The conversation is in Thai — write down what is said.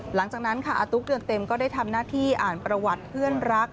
หลังจากนั้นค่ะอาตุ๊กเดือนเต็มก็ได้ทำหน้าที่อ่านประวัติเพื่อนรัก